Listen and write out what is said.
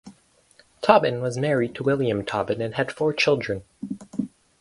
Tobin was married to William Tobin and had four children.